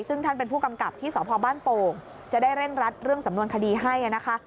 ซึ่งท่านเป็นผู้กำกับที่สพบ้านโป่งจะได้เร่งรัดเรื่องสำนวนคดีให้นะคะ